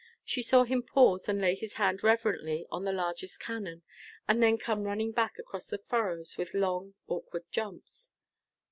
She saw him pause and lay his hand reverently on the largest cannon, and then come running back across the furrows with long, awkward jumps.